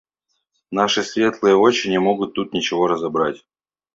– Наши светлые очи не могут тут ничего разобрать.